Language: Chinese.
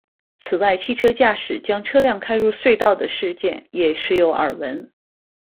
此外汽车驾驶将车辆开入隧道的事件也时有耳闻。